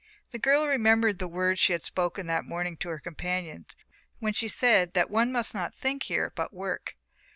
The girl remembered the words she had spoken that morning to her companions when she said that one must not think here but work.